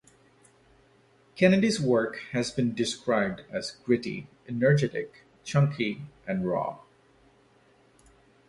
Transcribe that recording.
Kennedy's work has been described as gritty, energetic, chunky and raw.